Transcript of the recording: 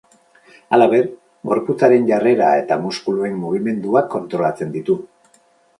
Halaber, gorputzaren jarrera eta muskuluen mugimenduak kontrolatzen ditu.